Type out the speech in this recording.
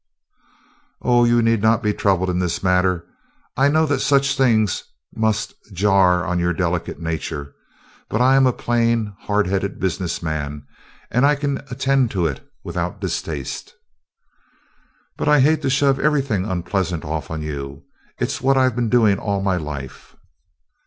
"Oh, you need not be troubled in this matter. I know that such things must jar on your delicate nature. But I am a plain hard headed business man, and I can attend to it without distaste." "But I hate to shove everything unpleasant off on you, It 's what I 've been doing all my life."